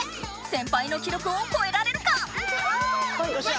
先輩の記録をこえられるか⁉よっしゃ！